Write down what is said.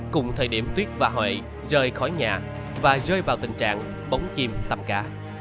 cùng thời điểm tuyết và huệ rời khỏi nhà và rơi vào tình trạng bóng chim tẩm cá